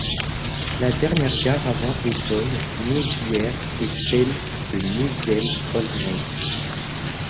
La dernière gare avant Épône - Mézières est celle de Nézel - Aulnay.